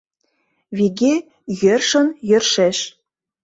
Виге — йӧршын, йӧршеш.